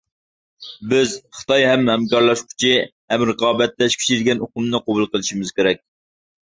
بىز «خىتاي ھەم ھەمكارلاشقۇچى، ھەم رىقابەتلەشكۈچى» دېگەن ئۇقۇمنى قوبۇل قىلىشىمىز كېرەك.